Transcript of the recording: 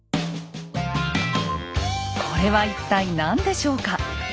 これは一体何でしょうか。